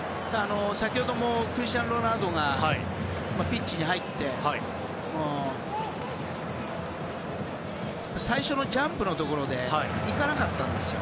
先ほどもクリスティアーノ・ロナウドがピッチに入って最初のジャンプのところで行かなかったんですよ。